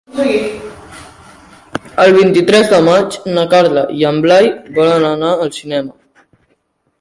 El vint-i-tres de maig na Carla i en Blai volen anar al cinema.